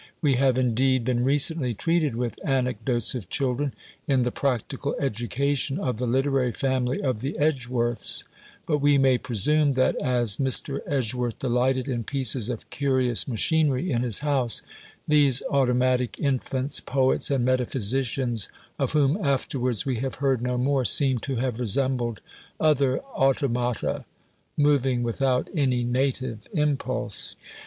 We have indeed been recently treated with "Anecdotes of Children," in the "Practical Education" of the literary family of the Edgeworths; but we may presume that as Mr. Edgeworth delighted in pieces of curious machinery in his house, these automatic infants, poets, and metaphysicians, of whom afterwards we have heard no more, seem to have resembled other automata, moving without any native impulse.